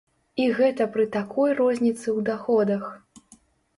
І гэта пры такой розніцы ў даходах!